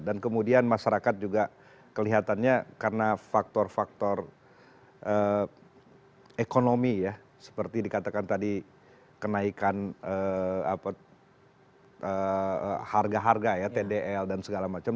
dan kemudian masyarakat juga kelihatannya karena faktor faktor ekonomi ya seperti dikatakan tadi kenaikan harga harga ya tdl dan segala macam